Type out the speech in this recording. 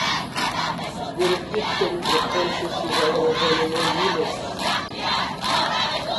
Verifique seu microfone se estiver gravando no Linux